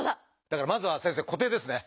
だからまずは先生「固定」ですね！